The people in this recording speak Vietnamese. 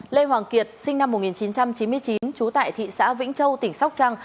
lê hoàng kiệt sinh năm một nghìn chín trăm chín mươi chín trú tại thị xã vĩnh châu tỉnh sóc trăng